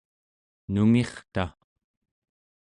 nungirta